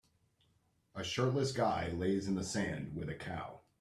A shirtless guy lays in the sand with a cow.